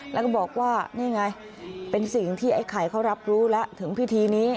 แล้วก็บอกว่านี่ไงเป็นสิ่งที่ไอ้ไข่เขารับรู้แล้วถึงพิธีนี้